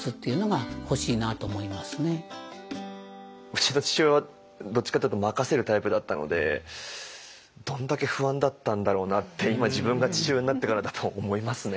うちの父親はどっちかっていうと任せるタイプだったのでどんだけ不安だったんだろうなって今自分が父親になってからだと思いますね。